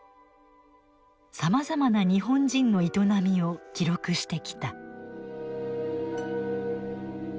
さまざまな日本人の営みを記録してきた。